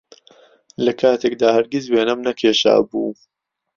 لەکاتێکدا هەرگیز وێنەم نەکێشابوو